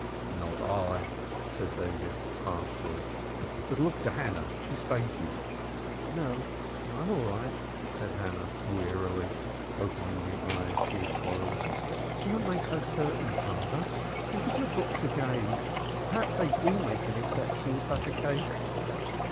"Not I!" said David harshly. "But look to Hannah. She has fainted." "No, I am all right," said Hannah wearily, opening the eyes she had closed. "Do not make so certain, father. Look at your books again. Perhaps they do make an exception in such a case."